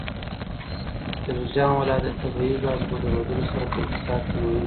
جوزجان ولایت د طبیعي ګازو په درلودلو سره په اقتصاد کې مهم دی.